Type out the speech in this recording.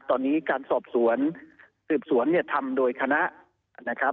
ตอนนี้การสอบสวนสืบสวนทำโดยคณะ